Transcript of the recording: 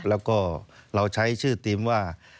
แล้วก็เราใช้ชื่อทีมว่า